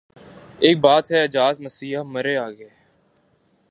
اک بات ہے اعجاز مسیحا مرے آگے